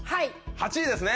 ８位です。